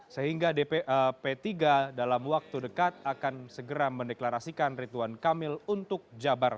sehingga p tiga dalam waktu dekat akan segera mendeklarasikan ridwan kamil untuk jabar